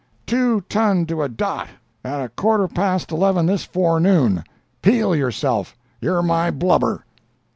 "Two ton to a dot, at a quarter past eleven this forenoon—peel yourself; you're my blubber!"